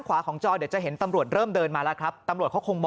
อย่างประกบ